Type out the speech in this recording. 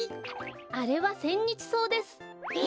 あれはセンニチソウです。え？